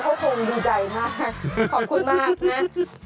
ขอบคุณมากนะ